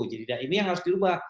jadi ini yang harus diubah